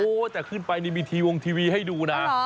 โอ้โหแต่ขึ้นไปนี่มีทีวงทีวีให้ดูนะ